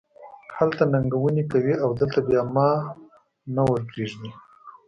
هلته ننګونې کوې او دلته بیا ما نه ور پرېږدې.